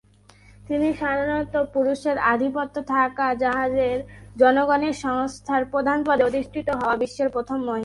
তিনি সাধারণত পুরুষের আধিপত্য থাকা জাহাজের জনগণের সংস্থার প্রধান পদে অধিষ্ঠিত হওয়া বিশ্বের প্রথম মহিলা।